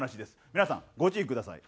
皆さんご注意ください。